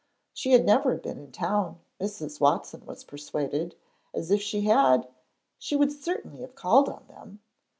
She had never been in town, Mrs. Watson was persuaded, as if she had, she would certainly have called on them.